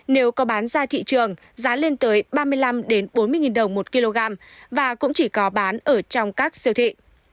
nếu có bán ra thị trường giá lên tới ba mươi năm bốn mươi đồng một kg và cũng chỉ có bán ở trong các siêu thị